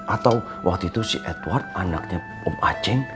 atau waktu itu si edward anaknya om aceh